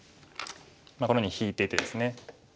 このように引いててですね。